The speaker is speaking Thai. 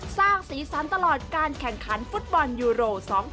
สร้างสีสันตลอดการแข่งขันฟุตบอลยูโร๒๐๑๖